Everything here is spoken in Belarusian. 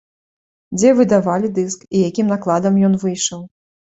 Дзе выдавалі дыск, і якім накладам ён выйшаў?